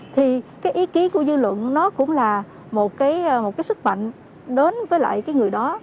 thì cái ý ký của dư luận nó cũng là một cái một cái sức mạnh đến với lại cái người đó